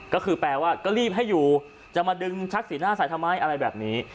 ก็คือแปลว่าก็รีบให้อยู่จะมาดึงชักสีหน้าใส่ทำไมอะไรแบบนี้